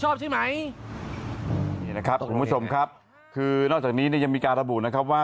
ชอบใช่ไหมนี่นะครับคุณผู้ชมครับคือนอกจากนี้เนี่ยยังมีการระบุนะครับว่า